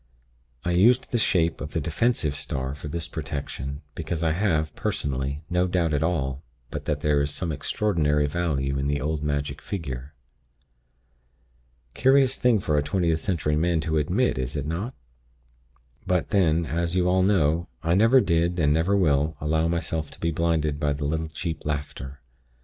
I used the shape of the defensive star for this protection, because I have, personally, no doubt at all but that there is some extraordinary virtue in the old magic figure. Curious thing for a Twentieth Century man to admit, is it not? But, then, as you all know, I never did, and never will, allow myself to be blinded by the little cheap laughter.